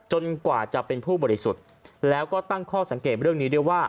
กว่าจะเป็นผู้บริสุทธิ์แล้วก็ตั้งข้อสังเกตเรื่องนี้ด้วยว่า